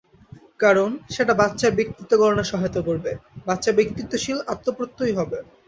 কারণ, সেটা বাচ্চার ব্যক্তিত্ব গড়নে সহায়তা করবে, বাচ্চা ব্যক্তিত্বশীল, আত্মপ্রত্যয়ী হবে।